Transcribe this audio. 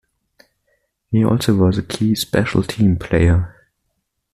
He also was a key special team player.